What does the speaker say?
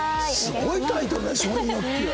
すごいタイトルだね『承認欲求』。